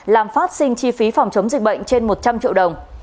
làm phát sinh chi phí phòng chống dịch bệnh trên một trăm linh triệu đồng